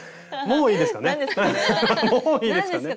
もういいですかね。